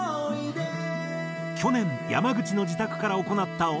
去年山口の自宅から行った